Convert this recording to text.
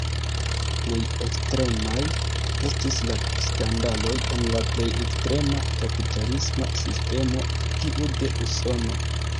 Plej ekstremaj estis la skandaloj en la plej ekstrema kapitalisma sistemo, tiu de Usono.